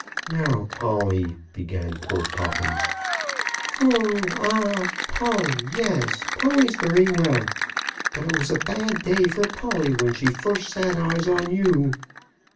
"Now, Polly, " began poor Poppins. "Oh, ah, Polly! Yes. Polly's very well. But it was a bad day for Polly when she first sat eyes on you.